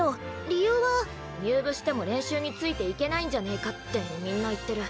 理由は入部しても練習についていけないんじゃねかってみんな言ってる。